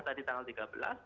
tadi tanggal tiga belas